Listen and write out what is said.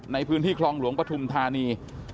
ในพื้นที่คลองหลวงปฐุมธานี